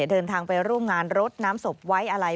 เดินทางไปร่วมงานรดน้ำศพไว้อะไร